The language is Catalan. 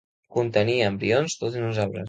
Contenia embrions dels dinosaures.